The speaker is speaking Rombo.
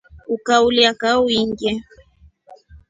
Ukaulya kaa ungie.